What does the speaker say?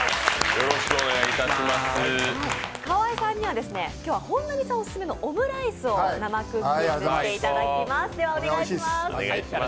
川合さんには今日は本並さんオススメのオムライスを生クッキングしていただきます。